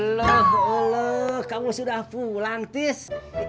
allah allah kamu sudah pulang tis